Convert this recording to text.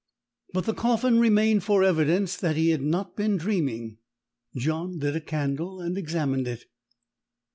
But the coffin remained for evidence that he had not been dreaming. John lit a candle and examined it.